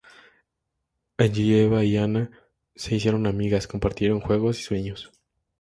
Allí Eva y Ana se hicieron amigas, compartieron juegos y sueños.